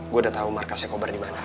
gua udah tahu markasnya kobar dimana